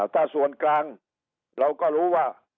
ถ้าส่วนกลางเราก็รู้ว่า